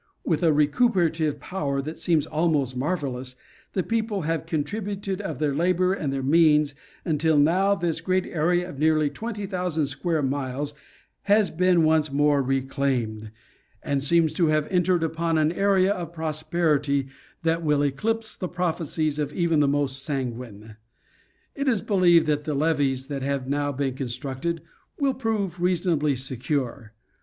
With a recuperative power that seems almost marvelous, the people have contributed of their labor and their means, until now this great area of nearly twenty thousand square miles has been once more reclaimed, and seems to have entered upon an era of prosperity that will eclipse the prophecies of even the most sanguine. It is believed that the levees that have now been constructed will prove reasonably se cure.